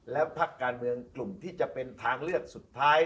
แล้วพักการเมืองกลุ่มที่จะเป็นทางเลือกสุดท้าย